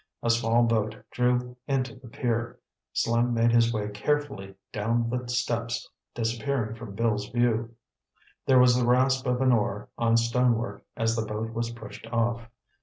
A small boat drew into the pier. Slim made his way carefully down the steps, disappearing from Bill's view. There was the rasp of an oar on stonework as the boat was pushed off.